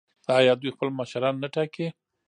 آیا دوی خپل مشران نه ټاکي؟